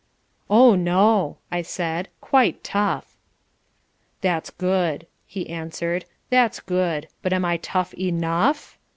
"Oh, no," I said, "quite tough." "That's good," he answered. "That's good. But am I tough ENOUGH?"